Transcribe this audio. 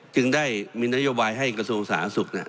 จึงได้มีนโยบายให้กระทรวงสาธารณสุข